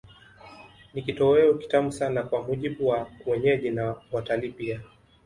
Ni kitoweo kitamu sana kwa mujibu wa wenyeji na watalii pia